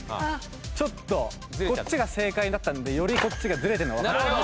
ちょっとこっちが正解だったんでよりこっちがずれてるのがわかった。